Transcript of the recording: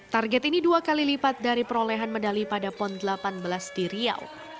target ini dua kali lipat dari perolehan medali pada pon delapan belas di riau